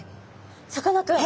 さかなクン